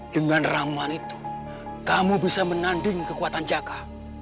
dengan ramuan itu kamu bisa menanding kekuatan jaka